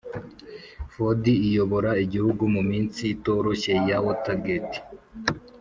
ford iyobora igihugu mu minsi itoroshye ya watergate